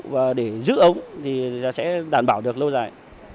và để giữ ống thì sẽ đảm bảo được lâu dài